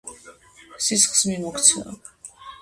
სისხლს მიმოქცევა